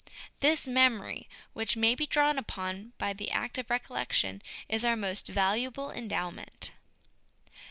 This memory which may be drawn upon by the act of recollection is our most valuable endowment.